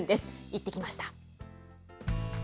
行ってきました。